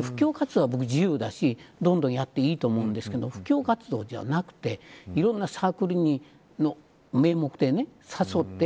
布教活動は、僕自由だしどんどんやっていいと思うんですけど布教活動じゃなくていろんなサークルに名目で誘って